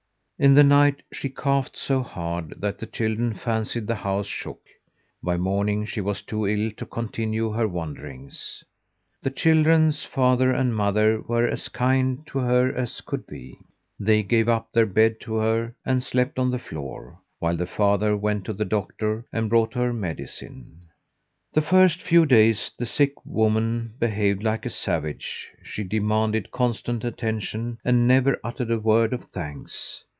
In the night she coughed so hard that the children fancied the house shook. By morning she was too ill to continue her wanderings. The children's father and mother were as kind to her as could be. They gave up their bed to her and slept on the floor, while the father went to the doctor and brought her medicine. The first few days the sick woman behaved like a savage; she demanded constant attention and never uttered a word of thanks.